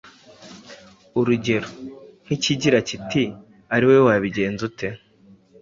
urugero nk’ikigira kiti ari wowe wabigenza ute